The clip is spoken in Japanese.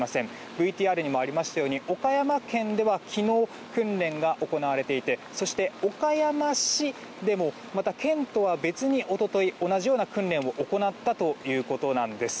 ＶＴＲにもありましたように岡山県では昨日、訓練が行われていてそして、岡山市でもまた県とは別に一昨日、同じような訓練を行ったということなんです。